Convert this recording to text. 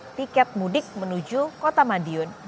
salah satu pemudik mengaku harus begadang dan memantau pembelian tiket